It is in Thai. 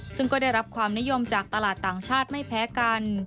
ซึ่งก็ได้รับความนิยมจากตลาดต่างชาติไม่แพ้กัน